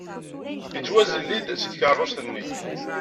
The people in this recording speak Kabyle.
Yettwazelli-d seg tkeṛṛust-nni.